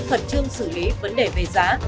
phật trương xử lý vấn đề về giá